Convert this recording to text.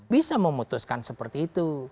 bisa memutuskan seperti itu